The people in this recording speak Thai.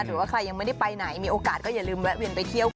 หรือว่าใครยังไม่ได้ไปไหนมีโอกาสก็อย่าลืมแวะเวียนไปเที่ยว